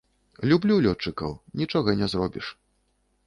Люблю лётчыкаў, нічога не зробіш.